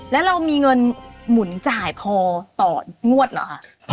แล้วเรามีเงินหมุนจ่ายพอต่องวดเหรอคะ